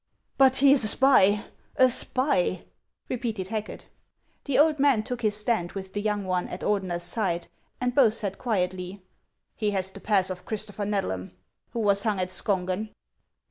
But he is a spy, a spy !" repeated Hacket. The old man took his stand with the young one at Ordener's side, and both said quietly :" He has the pass of Christopher Xedlam, who was hung at Skongen."